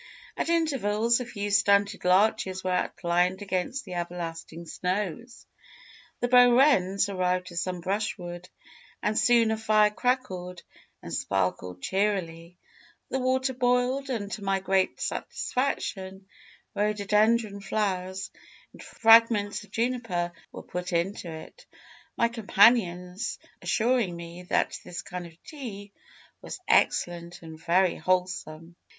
At intervals, a few stunted larches were outlined against the everlasting snows. The Bohrens arrived with some brushwood, and soon a fire crackled and sparkled cheerily, the water boiled, and, to my great satisfaction, rhododendron flowers and fragments of juniper were put into it my companions assuring me that this kind of tea was excellent and very wholesome.